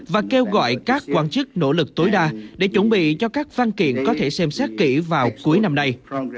và kêu gọi các quan chức nỗ lực tối đa để chuẩn bị cho các văn kiện có thể xem xét kỹ vào cuối năm nay